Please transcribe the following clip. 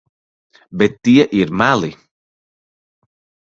Bet tie ir meli.